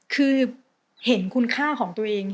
คือเห็นคุณค่าของตัวเอง